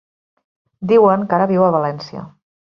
Diuen que ara viu a València.